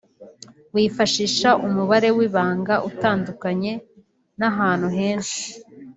wifashisha umubare w’ibanga utandukanye ahantu henshi